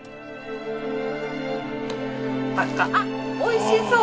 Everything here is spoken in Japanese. あっおいしそう！